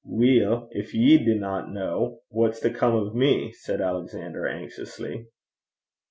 'Weel, gin ye dinna ken, what's to come o' me?' said Alexander anxiously.